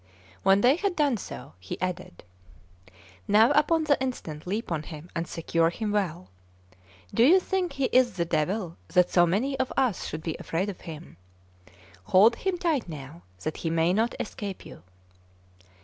When they had done so, he added: "Now upon the instant leap on him, and secure him well. Do you think he is the devil, that so many of us should be afraid of him? Hold him tight now, that he may not escape you."